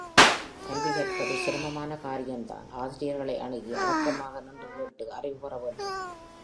கல்வி கற்பது சிரமமான காரியம்தான் ஆசிரியர்களை அணுகி அடக்கமாக நின்று கேட்டு அறிவு பெறவேண்டும்.